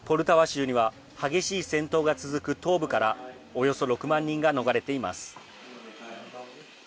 州には激しい戦闘が続く東部からおよそ６万人が逃れています。